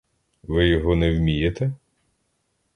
Ви його не вмієте?